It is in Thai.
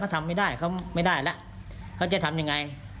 ทำไม่ได้เขาไม่ได้แล้วเขาจะทำยังไง